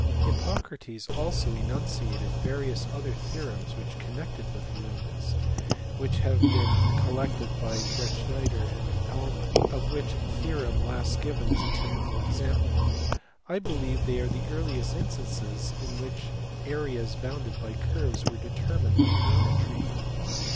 Hippocrates also enunciated various other theorems con nected with lunes (which have been collected by Bretsch neider and by Allman) of which the theorem last given is a typical example. I believe that they are the earliest instances in which areas bounded by curves were determined by geometry.